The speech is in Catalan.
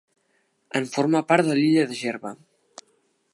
En forma part l'illa de Gerba.